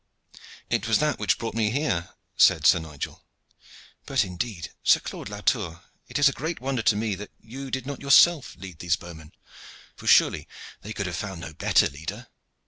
"It was that which brought me here," said Sir Nigel. "But indeed, Sir Claude Latour, it is a great wonder to me that you did not yourself lead these bowmen, for surely they could have found no better leader?"